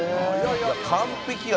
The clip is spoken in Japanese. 完璧や！